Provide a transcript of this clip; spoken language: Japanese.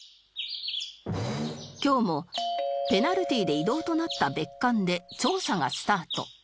今日もペナルティーで移動となった別館で調査がスタート